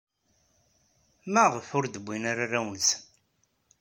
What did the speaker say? Maɣef ur d-wwin ara arraw-nsen?